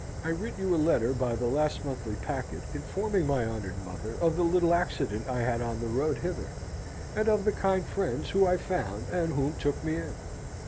"I writ you a letter by the last monthly packet, informing my honoured mother of the little accident I had on the road hither, and of the kind friends who I found and whom took me in.